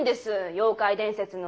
妖怪伝説の。